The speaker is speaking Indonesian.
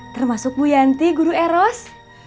termasuk bu yanti guru eros